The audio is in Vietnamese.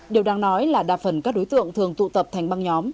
điều đáng nói là đa phần các đối tượng thường tụ tập thành băng nhóm